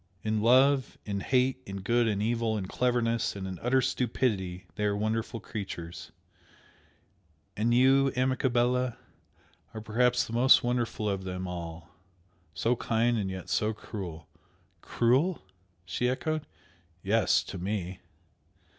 In love? in hate, in good, in evil, in cleverness and in utter stupidity, they are wonderful creatures! And you, amica bella, are perhaps the most wonderful of them all! So kind and yet so cruel!" "Cruel?" she echoed. "Yes! To me!"